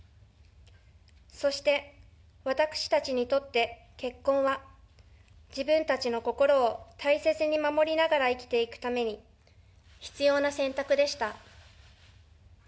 そして私たちにとって結婚は、自分たちの心を大切に守りながら生きていくために、必要な選択でした。